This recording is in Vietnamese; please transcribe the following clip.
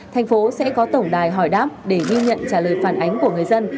thành phố sẽ có tổng đài hỏi đáp để ghi nhận trả lời phản ánh của người dân